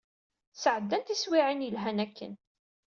Sɛeddan tiswiɛin yelhan akken.